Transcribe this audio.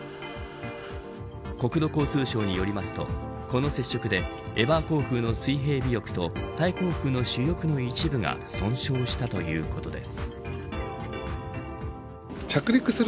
国土交通省によりますとこの接触でエバー航空の水平尾翼とタイ航空の主翼の一部が損傷したということです。